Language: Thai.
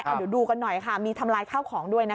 เดี๋ยวดูกันหน่อยค่ะมีทำลายข้าวของด้วยนะ